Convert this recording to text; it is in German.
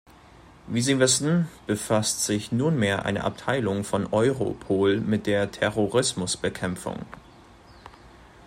Wie Sie wissen, befasst sich nunmehr eine Abteilung von Europol mit der Terrorismusbekämpfung.